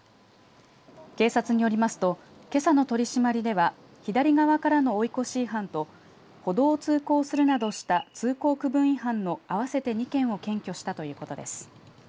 警察によりますとけさの取締りでは左側からの追い越し違反と歩道を通行するなどした通行区分違反の合わせて２件を検挙したということです。